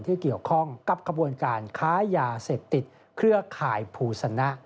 ที่เกี่ยวข้องกับขบวนการค้ายาเสพติดเครือข่ายภูสนะ